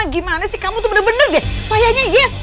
gimana sih kamu tuh bener bener deh kayaknya yes